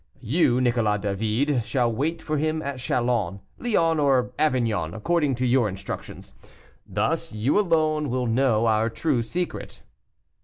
You, Nicolas David, shall wait for him at Chalons, Lyons, or Avignon, according to your instructions. Thus you alone will know our true secret."